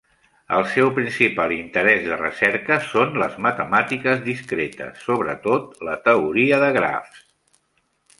El seu principal interès de recerca són les matemàtiques discretes, sobretot la teoria de grafs.